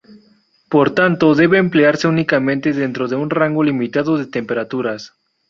Por tanto, debe emplearse únicamente dentro de un rango limitado de temperaturas.